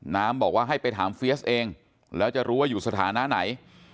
บอกว่าให้ไปถามเฟียสเองแล้วจะรู้ว่าอยู่สถานะไหน